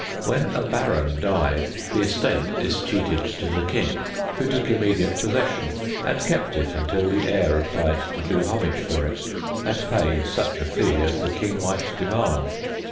When a baron died, the estate escheated to the king, who took immediate possession, and kept it until the heir applied to do homage for it, and pay such a fee as the king might demand.